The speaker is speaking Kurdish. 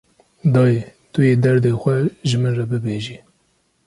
Dayê, tu yê derdê xwe ji min re bibêjî